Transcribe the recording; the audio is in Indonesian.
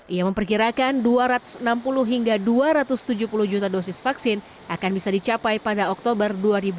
ia memperkirakan dua ratus enam puluh hingga dua ratus tujuh puluh juta dosis vaksin akan bisa dicapai pada oktober dua ribu dua puluh